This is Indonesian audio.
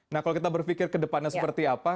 nah kalau kita berpikir ke depannya seperti apa